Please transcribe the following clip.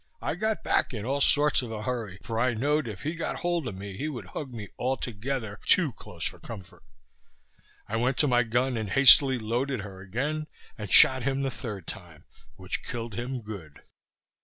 I got back in all sorts of a hurry, for I know'd if he got hold of me, he would hug me altogether too close for comfort. I went to my gun and hastily loaded her again, and shot him the third time, which killed him good.